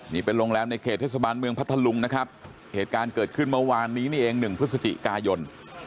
นี่เป็นโรงแรมในเขตเทศบาลเมืองพัทธลุงนะครับเหตุการณ์เกิดขึ้นเมื่อวานนี้นี่เอง๑พฤศจิกายน